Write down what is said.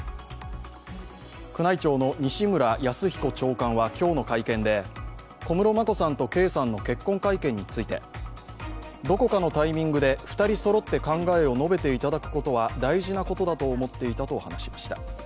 宮内庁の西村泰彦長官は今日の会見で小室眞子さんと圭さんの結婚会見についてどこかのタイミングで２人そろって考えを述べていただくことは大事なことだと思っていたと話しました。